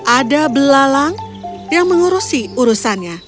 ada belalang yang mengurusi urusannya